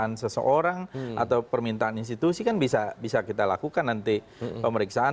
pemeriksaan seseorang atau permintaan institusi kan bisa kita lakukan nanti pemeriksaan